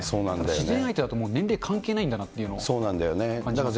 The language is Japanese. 自然相手だと、もう年齢関係ないんだなっていうのを感じます。